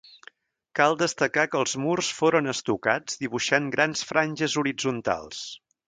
Cal destacar que els murs foren estucats dibuixant grans franges horitzontals.